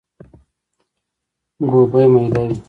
ګوبی ميده وي.